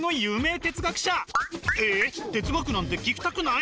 哲学なんて聞きたくない？